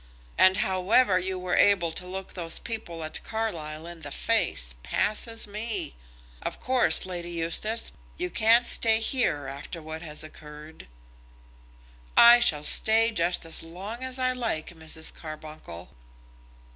And however you were able to look those people at Carlisle in the face, passes me! Of course, Lady Eustace, you can't stay here after what has occurred." "I shall stay just as long as I like, Mrs. Carbuncle."